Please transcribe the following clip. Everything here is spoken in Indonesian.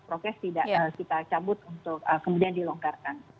prokes tidak kita cabut untuk kemudian dilonggarkan